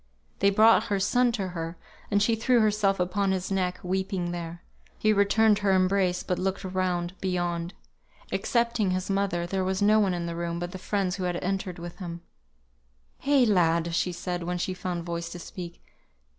They brought her son to her, and she threw herself upon his neck, weeping there. He returned her embrace, but looked around, beyond. Excepting his mother there was no one in the room but the friends who had entered with him. "Eh, lad!" said she, when she found voice to speak.